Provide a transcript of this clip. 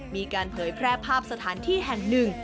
เผยแพร่ภาพสถานที่แห่งหนึ่ง